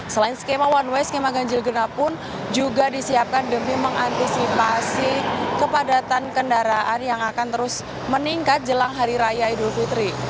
selain skema one way skema ganjil genap pun juga disiapkan demi mengantisipasi kepadatan kendaraan yang akan terus meningkat jelang hari raya idul fitri